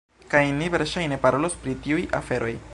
Kaj ni verŝajne parolos pri tiuj aferoj.